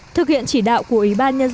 thực hiện chỉ đạo của ủy ban nhân dân